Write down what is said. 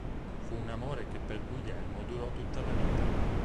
Fu un amore che per Guglielmo durò tutta la vita.